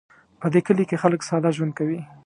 په دې کلي کې خلک ساده ژوند کوي